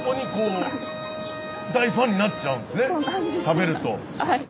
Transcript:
食べると。